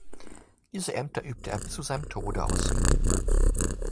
Diese Ämter übte er bis zu seinem Tode aus.